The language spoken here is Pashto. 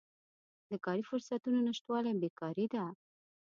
د کاري فرصتونو نشتوالی بیکاري ده.